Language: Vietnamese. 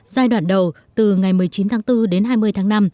giai đoạn đầu từ ngày một mươi chín tháng bốn đến hai mươi tháng năm